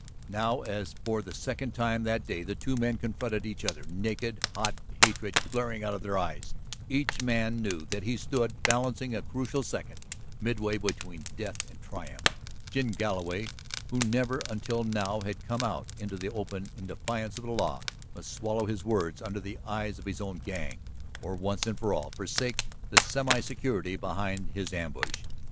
Now, as for the second time that day the two men confronted each other, naked, hot hatred glaring out of their eyes, each man knew that he stood balancing a crucial second, midway between death and triumph. Jim Galloway, who never until now had come out into the open in defiance of the law, must swallow his words under the eyes of his own gang, or once and for all forsake the semi security behind his ambush.